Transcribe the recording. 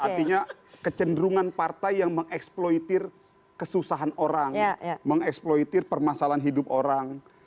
artinya kecenderungan partai yang mengeksploitir kesusahan orang mengeksploitir permasalahan hidup orang